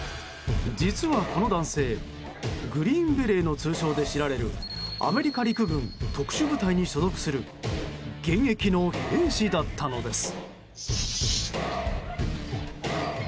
実は、この男性グリーンベレーの通称で知られるアメリカ陸軍特殊部隊に所属する現役の兵士だったのです。